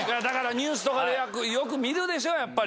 ニュースとかでよく見るでしょ。